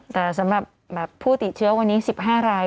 แต่สำหรับผู้ติดเชื้อวันนี้๑๕ราย